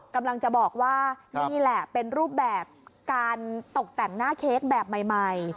กำลังจะบอกว่านี่แหละเป็นรูปแบบการตกแต่งหน้าเค้กแบบใหม่